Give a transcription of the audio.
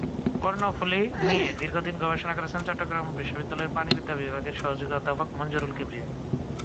কর্ণফুলী নিয়ে দীর্ঘদিন গবেষণা করছেন চট্টগ্রাম বিশ্ববিদ্যালয়ের প্রাণিবিদ্যা বিভাগের সহযোগী অধ্যাপক মঞ্জুরুল কিবরিয়া।